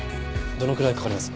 どのくらいかかります？